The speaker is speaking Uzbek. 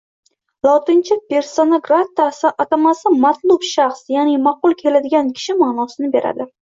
Lotincha persona grata atamasi matlub shaxs, ma’qul keladigan kishi ma’nosini beradi.